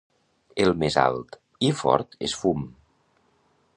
El més alt i fort és fum.